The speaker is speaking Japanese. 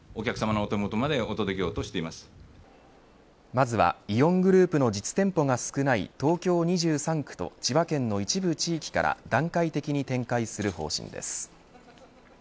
まずはイオングループの実店舗が少ない東京２３区と千葉県の一部地域から段階的に展開する方針です。